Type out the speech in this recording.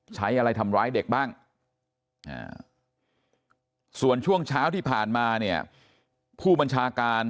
ใช้อะไรทำร้ายเด็กบ้างส่วนช่วงเช้าที่ผ่านมาเนี่ยผู้บัญชาการ